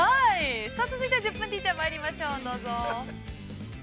◆さあ、続いては「１０分ティーチャー」まいりましょう、どうぞ。